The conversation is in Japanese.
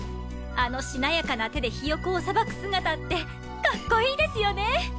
あのしなやかな手でひよこを捌く姿ってカッコイイですよね。